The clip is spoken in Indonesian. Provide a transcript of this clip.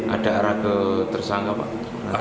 ada arah ke tersangka pak